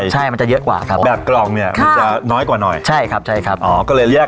เฮ้ยเดี๋ยวนะโอ้นี่พี่